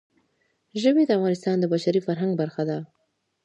ژبې د افغانستان د بشري فرهنګ برخه ده.